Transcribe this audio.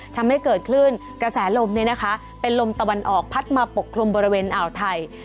ทำให้เกิดคลื่นกระแสลมเป็นลมตะวันออกพัดมาปกคลุมบริเวณอ่าวไทย